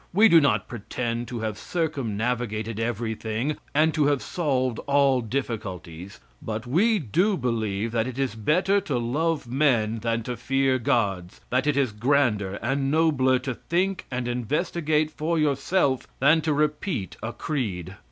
We do not pretend to have circumnavigated everything, and to have solved all difficulties, but we do believe that it is better to love men than to fear gods, that it is grander and nobler to think and investigate for yourself than to repeat a creed.